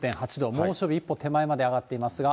猛暑日一歩手前まで上がってますが。